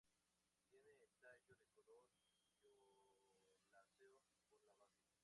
Tiene el tallo de color violáceo por la base.